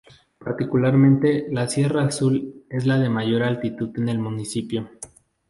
Particularmente la Sierra Azul es la de mayor altitud en el municipio.